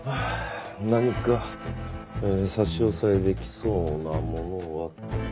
何か差し押さえできそうなものは。